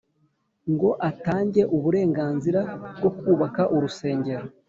ngo atange uburenganzira bwo kubaka urusengero